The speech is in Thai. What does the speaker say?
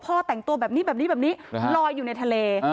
แต่งตัวแบบนี้แบบนี้แบบนี้ลอยอยู่ในทะเล